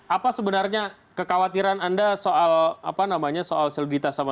apa sebenarnya kekhawatiran anda soal selidikitas sama seperti bu neta